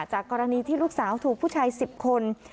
จากกรณีที่ลูกสาวถูกผู้ชาย๑๐คน